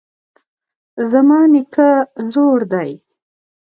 زما نیکه زوړ دی